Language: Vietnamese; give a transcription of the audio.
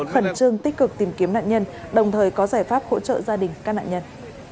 khẩn trương tích cực tìm kiếm nạn nhân đồng thời có giải pháp hỗ trợ gia đình các nạn nhân